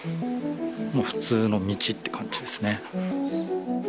普通の道って感じですね。